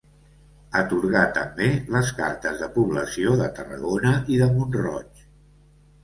Atorgà també les cartes de població de Tarragona i de Mont-roig.